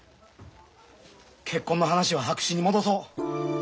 結婚の話は白紙に戻そう。